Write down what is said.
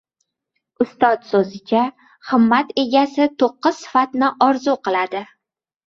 Ustod so‘zicha, himmat egasi to‘qqiz sifatni orzu qiladi: